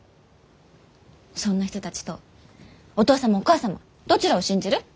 そんな人たちとお父様お母様どちらを信じる？